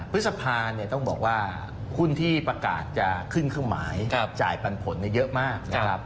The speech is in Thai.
พฤษภาต้องบอกว่าหุ้นที่ประกาศจะขึ้นเครื่องหมายจ่ายปันผลเยอะมากนะครับ